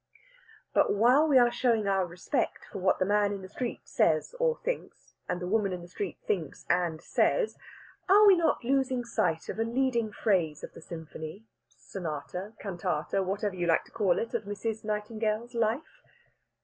But while we are showing our respect for what the man in the street says or thinks, and the woman in the street thinks and says, are we not losing sight of a leading phrase of the symphony, sonata, cantata whatever you like to call it of Mrs. Nightingale's life?